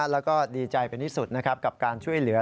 แล้วก็ดีใจเป็นที่สุดนะครับกับการช่วยเหลือ